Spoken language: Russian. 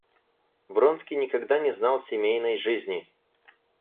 Вронский никогда не знал семейной жизни.